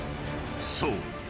［そう。